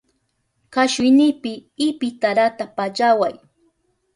Kashuynipi ipitarata pallaway.